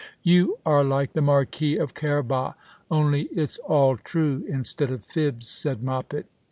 You are like the Marquis of Carabas, only it's all true instead of fibs," said Moppet.